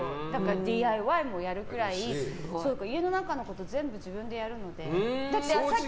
ＤＩＹもやるくらい家の中のこと全部自分でやるので。